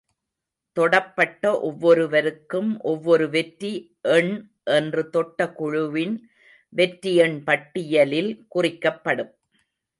தொடப்பட்ட ஒவ்வொருவருக்கும் ஒவ்வொரு வெற்றி எண் என்று தொட்ட குழுவின் வெற்றி எண் பட்டியலில் குறிக்கப்படும்.